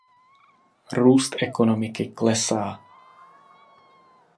Růst ekonomiky klesá.